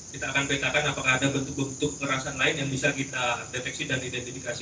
kita akan petakan apakah ada bentuk bentuk kekerasan lain yang bisa kita deteksi dan identifikasi